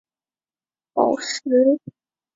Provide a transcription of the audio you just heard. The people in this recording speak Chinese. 这些宝石比起一般宝石具有特殊能力。